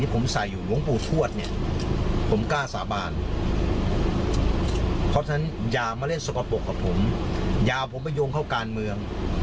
กำลังกำลังกำลังกำลังกำลังกำลังน้อยไปสะท้ายสิ